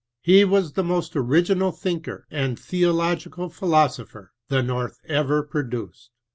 He was the most original thinker and theological philosopher the North ever produced.